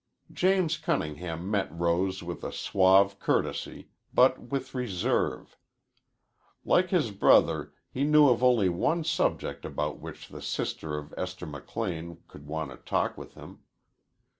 James Cunningham met Rose with a suave courtesy, but with reserve. Like his brother he knew of only one subject about which the sister of Esther McLean could want to talk with him.